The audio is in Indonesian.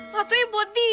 katanya buat dia